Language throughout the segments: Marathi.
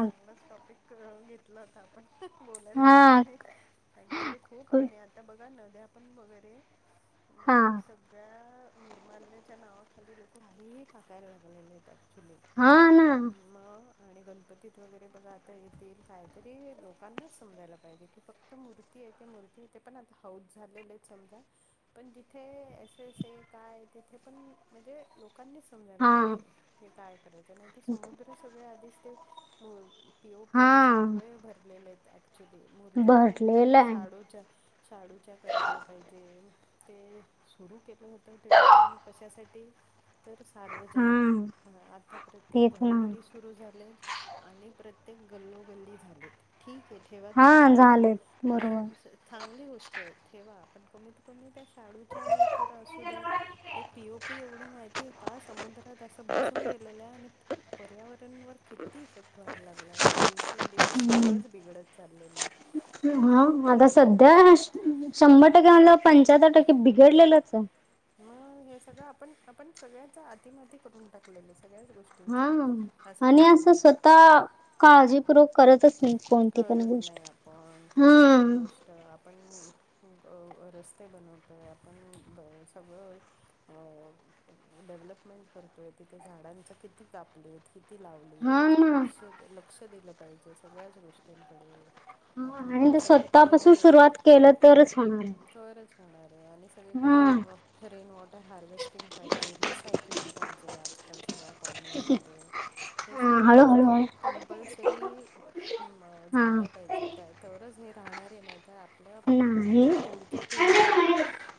चांगलाच टॉपिक कळून घेतला होता आपण बोलायला हा ऍक्च्युली ऍक्च्युली खूप आणि हा आता बघा नद्या पण वगैरे हां सगळ्या निर्मल्याच्या नावाखाली लोक काहीही टाकायला लागलेले आहेत ऍक्च्युली हा ना. आणि गणपती तीत वगैरे बघा आता येतील कायतरी लोकांनाच समजायला पाहिजे की फक्त मूर र्ती आहे मुर्ती ते पण आता हौद झालेले आहेत समजा पण जिथे एस एस हे काय तिथे पण म्हणजे लोक लोकांनीच समजायला हा पाहिजे हे काय करायचं नाही तर समुद्र सगळे आधीच ते. मु पी. ओ. हा पीनी सगळे भरलेले आहेत ऍक्च्युली मूर्त्या पण भरलेलं आहे शाडोच्या शाडूच्या करायला पाहिजे. ते सुरू केलं होतं टिळकांनी कशासाठी? तर सार्वजनिक हा आता प्रत्येक तेच ना घरोघरी सुरू झालेत. आणि प्रत्येक गल्लोगल्ली झालेत ठीक आहे ठेवा हा तुम्ही मुर्त्या झालेत बरोबर पण चांगली गोष्ट आहे ठेवा पण कमीत कमी त्या शाडूच्या तर असुद्या ते पी ओ पी एवढं माहितीय आहे का समुद्रात तस बसून गेलेलं आहे आणि पर्यावरणवर किती इफेक्ट व्हायला लागलेला आहे दिवस तीन दिवस हम्म. सगळंच बिघडत चाललेललं आहे हा आता सध्या शंभर टक्के म्हणल्यावर पंचाहत्तर टक्के बिघडलेलच आहे. मग हे सगळं आपण आपण सगळ्याच आातीमाती करून टाकलेलं सगळ्याच गोष्टींच हा असं आणि झालेलं आहे ते स्वतः काळजीपूर्वक करतच नाही कोणती पण करत गोष्ट हा तर आपण रस्ते बनवतोय आपण ब सगळं डेव्हलपमेंट करतोय तिथे झाडांच किती कापले लावली हा आहेत ना लक्ष लक्ष दिलं पाहिजे सगळ्याच गोष्टींकडे आपण आणि ते सगळीकडे स्वतःपासून सुरुवात केलं तरच होणार आहे तरच होणार आहे आणि हा सगळीकडे रेन वॉटर हार्वेस्टिंग पाहिजे रिसायकलिंग पाहिजे. आत ल सगळ्या कॉलनीजमध्ये हे हा सगळ्या गोष्टी हळूहळू खूप कंपल्सरी हा झाल्या पाहिजे त्या तरच हे राहणारे नाही. तर आपल्या नाही. पुढच्या पिढीला ना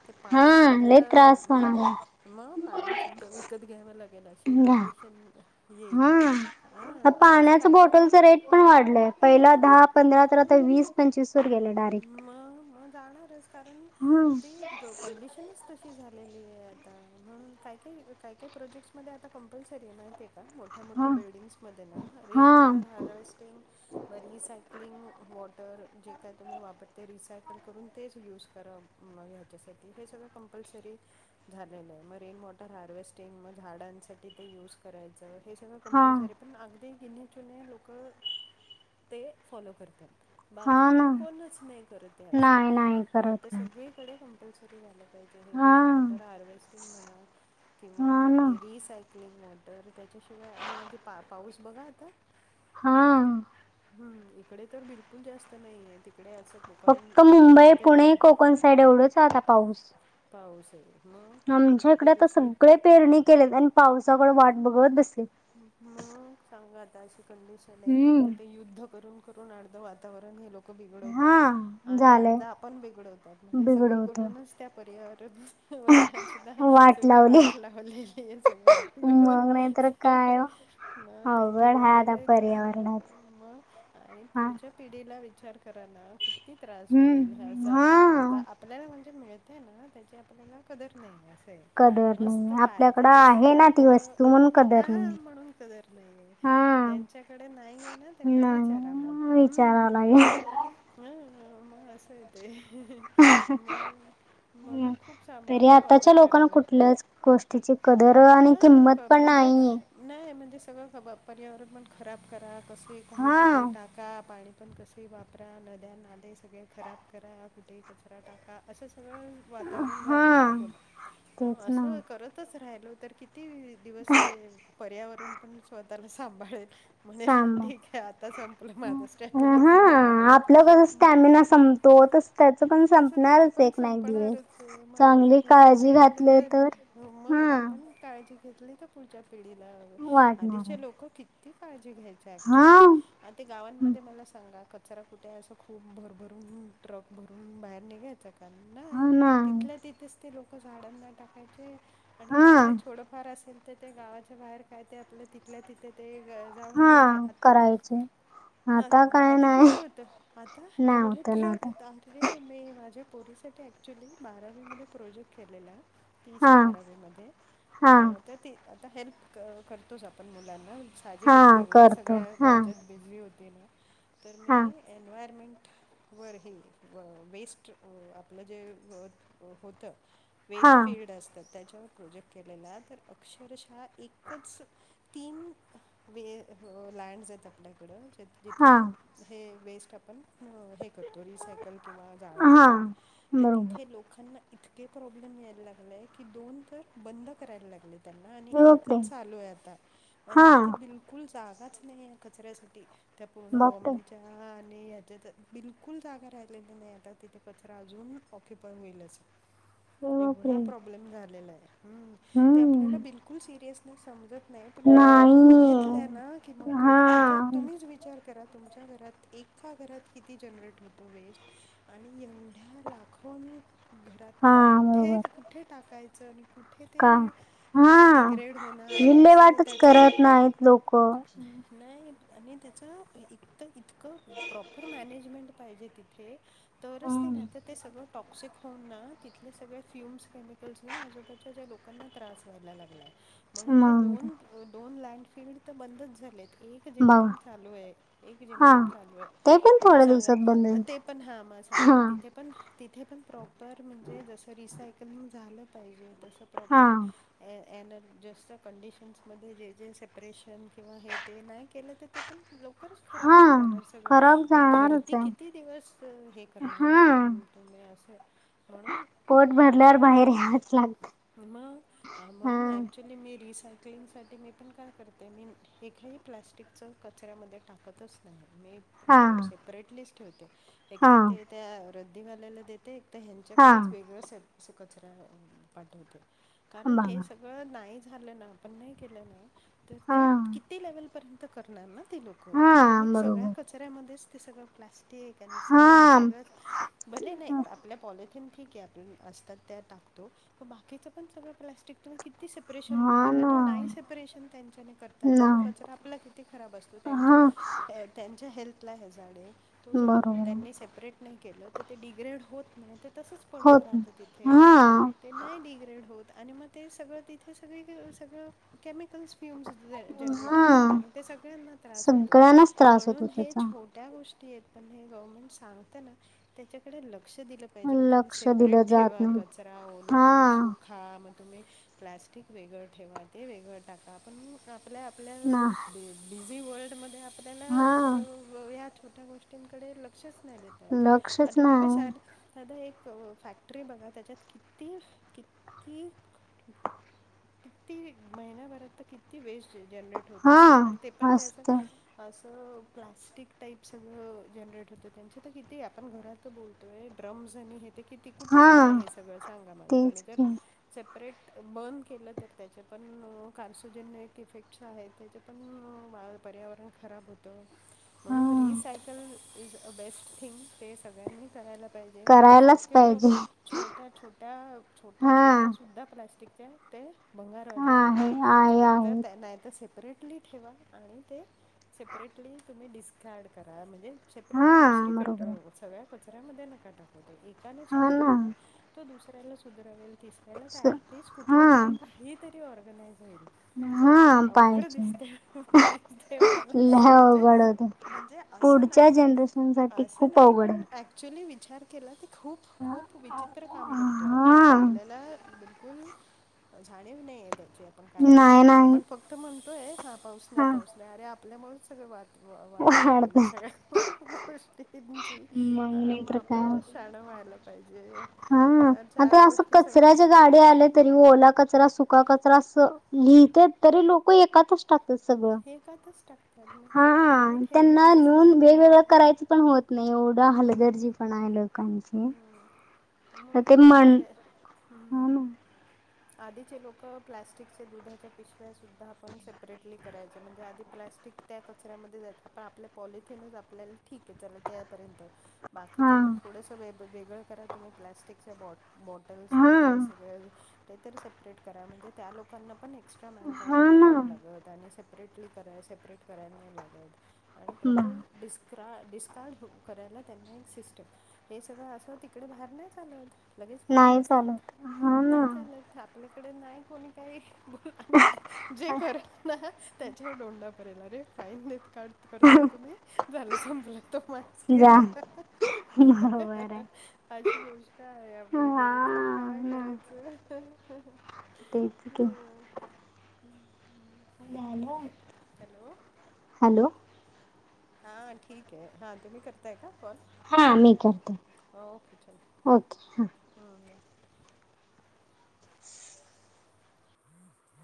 ते हा पाणी लय त्रास होणार सुद्धा मग पाणी सुद्धा विकत घ्यावं लागेल. अशी आहे. घ्या. कंडिशन येईल हा. तसं पाण्याचं काय काय बॉटलचं रेट पण वाढलंय पहिला दहा पंधरा तर आता वीस पंचवीस वर गेले डायरेक्ट मग मग जाणारच कारण हम्म ती कंडिशनच तशी झालेली आहे आता म्हणून काय काय काय काय प्रोजेक्ट्स मध्ये आता कंपल्सरी आह माहिती काय मोठ्या मोठ्या हा. बिल्डिंग्स मध्ये ना हा रेन वॉटर हार्वेस्टिंग बर रिसायक्लिंग वॉटर जे काय तुम्ही वापरते. रिसायकल करून तेच यूज करा मग ह्याच्यासाठी हे सगळं कंपल्सरी झालेलं आहे मग रेन वॉटर हार्वेस्टिंग मग झाडांसाठी ते युज करायचं हे सगळं हा कंपल्सरी पण अगदी गिण्या चुणे लोक ते फॉलो करतात. हा ना बाकी कोणच नाही. करत या असो नाही नाही हां तर करत नाही. सगळीकडे कंपल्सरी झालं हा रेन वॉटर हार्वेस्टिंग म्हणा किंवा हा ना तुम्ही रिसायकलिंग वॉटर त्याच्याशिवाय आणि आधी पा पाऊस बघा आता [unintelligible] हा हम्म इकडे तर बिलकुल जास्त नाहीये तिकडे असं ब फक्त मुंबई पुणे कोकण साईड एवढंच आता पाऊस पाऊस हे आमच्या इकडे आता सगळे पेरणी केलेत आणि पावसाकडे वाट बघत बसेल मग सांगा आता अशी कंडिशन आहे एक तर हम्म ते युद्ध करून करून अर्ध वातावरण हे लोक बिघडवतात हा आणि झालंय. अर्धा आपण बिघडवतात म्हणजे बिघडवत सगळीकडूनच त्या पर्यावरण वर्णासद्धा वाट सगळी लावली वाट लावलेली सगळ्यांनी मिळून मग नाहीतर काय ओ मग अवघड हाय एकेकाने आता पर्यावरणाच मग आणि हा पुढच्या पिढीला विचार करा किती त्रास होईल. अस हम्म पण हा आता आपल्याला म्हणजे मिळत आहे ना त्याची आपल्याला कदर नाही अस कदर नाही आपल्याकडं आहे ना ती वस्तू म्हणून कदर नाही. हा जच्याकडे नाहीय ना त्यांना विचारा म नाही विचारावं हम लागेल मग असे येते म म्हणून खूप सांभाळून वापर करायला पाहिजे. त्याची कदर आणि हां किंमत क पण म्हणजे नाही आहे. नाही म्हणजे सगळं ख पर्यावरण पण खराब करा कसं काही कुठे हा टाका पाणी पण कस. वापरा नद्या नाले सगळे खराब करा कुठे कचरा टाका असं सगळं. वातावरण झालेलं आहे हा बोला मग तेच ना असं करतच राहिलो तर किती दिवस. ते, पर्यावरण पण स्वतःला सांभाळेल. म्हणे सांभाळ ठीक आहे. आता संपलं माझा स्टॅमिना हा संपला म्हणून. त्याच पण तसं त्याचं संपणारच पण एक ना एक दिवस संपणारच आहे मग आपल्या चांगली पुढच्या काळजी घातले पिढीला तर, हा... मग आपण काळजी घेतली तर पुढच्या पिढीला वाढणार आहे. आधीचे लोक किती काळजी घ्याय ॲक्चुली. हा आ ते गावांमध्ये मला सांगा कचरा कुठे असं खूप भरभरून ट्रक भरून बाहेर निघायचा का? पण नाही तिथल्या तिथेच ते लोक झाडांना टाकायचे. आणि हा काय ते छोडंफार असेल तर, ते गावाच्या बाहेर काय ते आपलं तिथल्या तिथे ते हा करायचे. ह आता काय आधी नाही कुठे होत आता नाही एवढे होत नाही ट्रक य होत आ नाहीये नाहीये माझ्या पोरीसाठी ऍक्च्युली बारावीमध्ये प्रोजेक्ट केलेला. तीच्या हा बारावीमध्ये, हा अ तर ती आता हेल्प अ करतोच आपण मुलांना. खाजी हा खेती एवढ्या करतो सगळ्या हा ह्याच्यात बिझी होती ना, तर हा मी एन्वायरमेंट वर हे वेस्ट आपलं जे ह होत हा वेस्ट फील्ड असतात त्याच्यावर प्रोजेक्ट केलेला. तर अक्षरशा एकच तीन वे लँड्स आहेत आपल्याकडं ज हा जिथे हे वेस्ट आपण हे करतो. त रिसायकल किंवा जाळतो हा किंवा तर बरोबर तिथे लोकांना, इतके प्रॉब्लेम यायला लागलेय की दोन तर बंद करायला लागलेत. त्यांना आणि बापरे एकच चालोय आता आणि हा तिथे बि कुल जागाच नाही या कचऱ्यासाठी त्या पूर्ण बापरे बॉम्बेच्या हा आणि ह्याच्यात बिलकुल जागा राहिलेली नाही. आता तिथे कचरा अजून ऑक्युपाय होईल अस. एवढा बापरे प्रॉब्लेम झालेला आहे. हम्म! त्या हम्म आपल्याला बिलकुल सिरियसनेस समजत नाही. पण त्या गोष्टी बघीत इतले ना की मग नाही हा कळत. विचार तम्हीच विचार करा, तुमच्या घरात एका घरात किती जनरेट होतो वेस्ट आणि एवढ्या लाखों हा घरातलं कुठे बरोबर कुठे टाकायचं आणि कुठे का ते, हा, डिग्रेड होणार असं विल्लेवाटच त्याचं करत नाहीत लोक. नाही आणि त्याचं इतं इतकं प्रॉपर मॅनेजमेंट पाहिजे ति थे तरच ते नाही तर ते सगळं टॉक्सिक होऊन ना! तिथले सगळे फ्युम्स केमिकल्सनी आजूबाजू च्या लोकांना त्रास ला [unintelligible] म्हणून हे मग ते. दोन - दोन लँड फील्ड तर बंदच झाले ऐक एक बघा जेमतेम चालू आहे एक हा जेमतेम चालूय. ते पण आता थोड्या सांगा, दिवसात बंद होईल ते पण हा मग सांगा हा तिथे पण तिथे पण प्रॉपर म्हणजे जसं रिसायकलिंग झालं पाहिजे. तसं हा प्रॉपर एनर्जेस्ट कंडिशन्समध्ये जे जे सेपरेशन किंवा हे ते नाही केलं त ते पण लवकरच. खराब हा होऊन जाणार सगळं. खराब ते जाणारच धरती किती आहे दिवस हे करणार ना हा तुम तुम्ही असं, म्हणून पोट भरल्यावर ॲक्च्युली बाहेर यावंच लागत. मग हा म्हणून ऍक्च्युली मी रिसायकलिंग साठी मी पण काय करते. मी हे काही प्लस्टिकच कचऱ्यामध्ये टाकतच नाही मी. हा सेपरेटलीच ठेवते एक हा तर ते त्या रद्दीवाल्याला दे ते एक तर हा ह्यांच्याकडेच वेगळं स असे कचरा पाठवते. कारण हे बघा सगळं नाही झालं ना! आपण नाही केलं ना! तर हा ते किती लेवलपर्यंत करणार ना ती लोकं हा तुम्ही सगळ्या बरोबर कचऱ्यामध्येच ते सगळं प्लास् ठीक आहे आणि सगळं हा सगळंच भले नाही आपल्या पॉलिथीन ठीक आहे आपण असतात त्या टाकतो बाकीच पण सगळं प्लास्टिक ते किती सेपरेशन हा होणार आणि नाही ना सेपरेशन त्यांच्याने करता आलं तो नाही कचरा आ पला किती खराब असतो त्यांच्या हा हे त्यांच्या हेल्पला हे झाडे आहे तो जर कप बरोबर त्यांनी सेपरेट नाही केलं तर ते डिग्रेड होत नाही ते तसंच पडून होत राहतं हा. तिथे ते नाही डिग्रेड होत आणि मग ते सगळं तिथे सगळी सगळं केमिकल्स पियुम ज जनरेट हा होतात आणि ते सगळ्यांना त्रास होतो सगळ्यांनाच त्रास होतो म्हणून हे त्याचा छो त्या गोष्टी येत पण नाय गव्हर्नमेंट सांगतेना त्याच्याकडे लक्ष दिलं पाहिजे की तुम्ही लक्ष सेपरेट दिलं जात ठेवा नाही कचरा ओला हा सुक हा मग तुम्ही प्लॅस्टिक वेगळं ठेवा, ते वेगळं टा ता आपण आपल्या आपल्या ना बि बिझी वर्ल्डमध्ये आपल्याला हा ब व या छोट्या गोष्टींकडे लक्षच न देत. लक्षचं नाय. सादा एक फॅक्ट्री बघा त्याच्यात किती-किती किती महिन्याभरात तर किती वेस्ट जनरेट होत असेल आणि ते पण हा ते असं असत असं प्लाॅस्टिक टाईप सगळं जनरेट होतं त्यांचे तर किती आपण घरा त बोलतोय ड्रमस आणि हे ते किती कुठे हा जाणार हे सगळं सांगा मला तुम्ही तेच जर की सेपरेट बन केलं तर त्याचे पण कार्सोजनिक इफेक्ट्स आहे त्याचे पण वाया पर्यावरण खराब हो तं हा म्हणून recycle is a best thing ते सगळ्यांनी करायला पाहिजे आणि करायलाच शक्य तो पाहिजे छोट्या छोट्या छोट्या हा छोट्या सुद्धा प्लास्टिकच्या ते भंगारवाल्या कडे आहे द्या आहे एकतर आहे त्या नाय तर से परेटली ठेवा आणि ते सेपरेटली तुम्ही डिस्कार्ड करा म्हणजे सेपरेटली हा दुसरीकड बरोबर आहे सगळ्या कचऱ्यामध्ये नका टाकव ते एकाने सुधरले ना तो दुसऱ्याला सुधरवेल तिसऱ्याला तर स ऍटलिस्ट हा कुठेतरी काही तरी ऑर्गनाइज होईल. हा नाहीतर अवघड पाहिजे दिसते दिसतेय मला लय म्हणजे अवघड होते म्हणजे असं पुढच्या नाही जनरेशनसाठी असं खूप नाही अवघड पण आहे. ऍक् च्युली विचार केला की खूप-खूप विचित्र काम करतो आहे आपण हा आपल्याला बिल कुल जाणीव नाही आहे त्याची आपण काय नाही करतोय आणि नाही आपण फक्त म्हणतोय हा पाऊस नाही हा पाऊस नाही अरे आ पल्यामुळे सगळं वाद वा वाट लागलेली वाढतय सगळ्या गोष्टी गुमची मग नाही म तर आपल्याला शा हाणं व्हायला पाहिजे. हां तर चार आता असं गोष्टी सगळ्या कचराच्या गाडी आली तरी ओला कचरा सुका कचरा असं लिहितयत तरी लोकं एकातच टाकते सगळं एकातच टाकता म हा हा त्यांना नेऊन वेगवेगळं करायचे पण हो त नाही एवढा हलगर्जी हम्म पण आहे लोकांचे. हम्म हो ते मग म्हण बले आदीचे लोकं प्लॅस्टिकचे दुधाच्या पिशव्या सुद्धा आपण सेपरेटली करायचे म्हणजे आदी प्लस्टिक त्या कचऱ्यामध्ये जायेत आपण आपल्या पॉलिथिनचं आपल्याला ठीक आहे चल त्यापर्यंत बाकीचं हा तर थोडंसं वेग वेगळं करा तुम्ही प्लास्टिकच्या बॉट बॉट टल्स हे हा ते सगळं ते तरी सेप्रेट करा, म्हणजे त्या लोकांना पण एक्स स्ट्रा मॅनपाॉवर हा नाही ना द्यायला लागत आणि सेपरेटली कराय सेपरेट करायला नाही लागत. आणि प्रॉपर डिस क्रा डिस्कार्ड करायला त्यांना एक सिस्टम हे सगळं असं तिकडे बाहेर नाय चालत. लगेच फाईन नाही बसतात चालत हा ना नाही चालत आपल्याकडे नाही कोणी काही बोल आणि जे करेल ना त्याच्यावर डोंडा भरेल अरे फाईन देत काढ करता तुम्ही झालं संप लागतो म जा बरोबर हाय. काय आपल्याकडे पण काय करायचं? ते इचकी ह ह ह नन हॅलो हॅलो हा ठीक आहे हा तुम्ही करताय का कॉल हा मी करते. ओके हा. ह